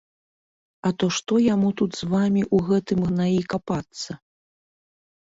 А то што яму тут з вамі ў гэтым гнаі капацца?!